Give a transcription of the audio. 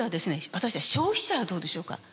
私たち消費者はどうでしょうか。